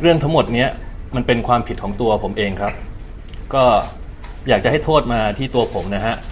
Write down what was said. เรื่องทั้งหมดเนี้ยมันเป็นความผิดของตัวผมเองครับก็อยากจะให้โทษมาที่ตัวผมนะฮะ